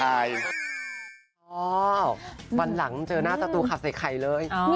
อ้าววันหลังเจ้น่าศัตรูขับเสกไข่เลย